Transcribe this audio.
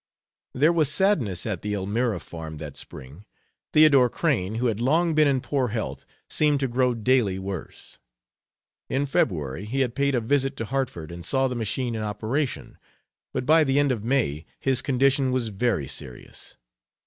There was sadness at the Elmira farm that spring. Theodore Crane, who had long been in poor health, seemed to grow daily worse. In February he had paid a visit to Hartford and saw the machine in operation, but by the end of May his condition was very serious.